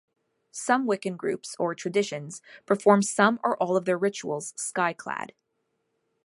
Some Wiccan groups, or Traditions, perform some or all of their rituals skyclad.